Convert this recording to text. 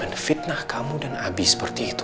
menfitnah kamu dan abi seperti itu